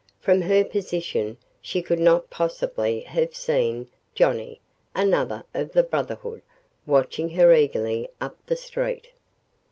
From her position she could not possibly have seen Johnnie, another of the Brotherhood, watching her eagerly up the street.